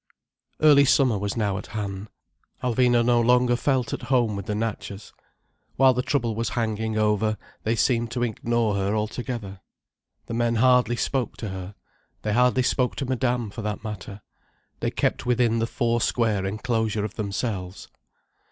Early summer was now at hand. Alvina no longer felt at home with the Natchas. While the trouble was hanging over, they seemed to ignore her altogether. The men hardly spoke to her. They hardly spoke to Madame, for that matter. They kept within the four square enclosure of themselves.